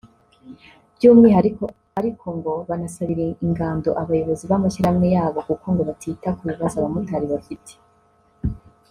By’umwihariko ariko banasabira ingando abayobozi b’amashyirahamwe yabo kuko ngo batita ku bibazo abamotari bafite